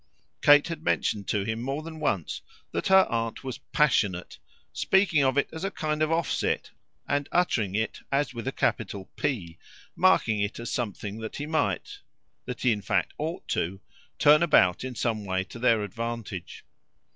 Kate had mentioned to him more than once that her aunt was Passionate, speaking of it as a kind of offset and uttering it as with a capital P, marking it as something that he might, that he in fact ought to, turn about in some way to their advantage.